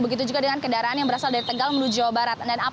begitu juga dengan kendaraan yang berasal dari tegal menuju jawa barat